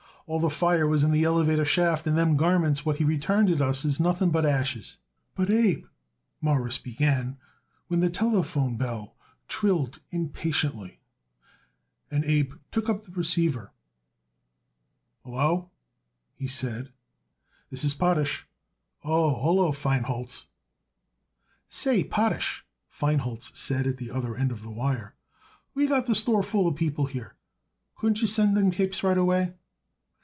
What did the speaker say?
"All the fire was in the elevator shaft and them garments what he returned it us is nothing but ashes." "But, Abe," Morris began, when the telephone bell trilled impatiently. Abe took up the receiver. "Hallo!" he said. "Yes, this is Potash. Oh, hallo, Feinholz!" "Say, Potash," Feinholz said at the other end of the wire, "we got the store full of people here. Couldn't you send up them capes right away?"